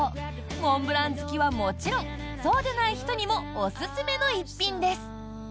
モンブラン好きはもちろんそうでない人にもおすすめの一品です。